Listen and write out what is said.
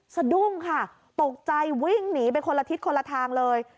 สะดุ้งค่ะตกใจวิ่งหนีไปคนละทิศคนละทางเลย